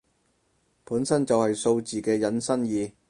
本身就係數字嘅引申義